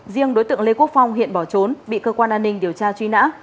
riêng đối tượng lê quốc phong hiện bỏ trốn bị cơ quan an ninh điều tra truy nã